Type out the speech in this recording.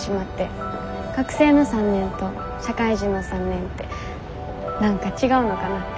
学生の３年と社会人の３年って何か違うのかなって。